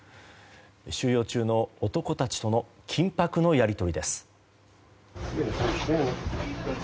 収容中の男たちとの緊迫のやり取りです。